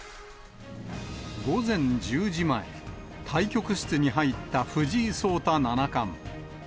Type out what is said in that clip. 午前１０時前、対局室に入った藤井聡太七冠。